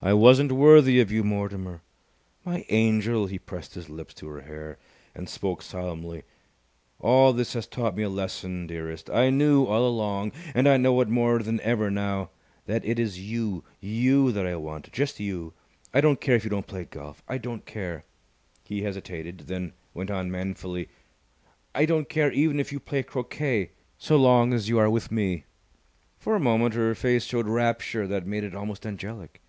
"I wasn't worthy of you, Mortimer!" "My angel!" He pressed his lips to her hair, and spoke solemnly. "All this has taught me a lesson, dearest. I knew all along, and I know it more than ever now, that it is you you that I want. Just you! I don't care if you don't play golf. I don't care " He hesitated, then went on manfully. "I don't care even if you play croquet, so long as you are with me!" For a moment her face showed rapture that made it almost angelic.